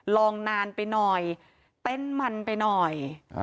ลองนานไปหน่อยเต้นมันไปหน่อย